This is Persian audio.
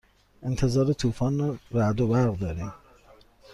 انتظار طوفان رعد و برق داریم.